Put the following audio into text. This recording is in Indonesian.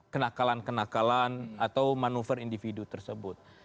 kenakalan kenakalan atau manuver individu tersebut